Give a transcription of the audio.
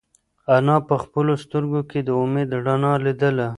انا په خپلو سترگو کې د امید رڼا لیدله.